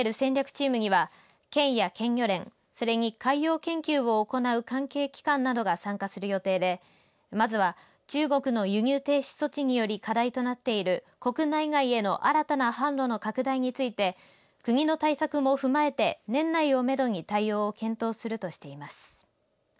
チームには県や県漁連それに海洋研究を行う関係機関などが参加する予定でまずは中国の輸入停止措置により課題となっている国内外への新たな販路の拡大について国の対策も踏まえて年内をめどに対応を検討するとしています。